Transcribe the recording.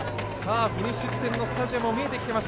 フィニッシュ地点のスタジアムも見えてきています。